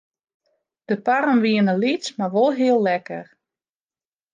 De parren wienen lyts mar wol heel lekker.